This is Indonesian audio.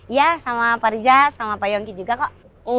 ya sama pak riza sama pak yongki juga kok